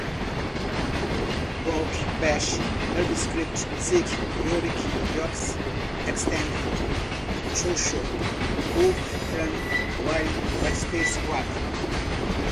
gawk, bash, urbiscript, zig, yorick, yoix, xtend, xojo, wolfram, wiring, whitespace, whiley